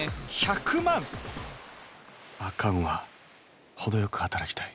あかんわ程よく働きたい。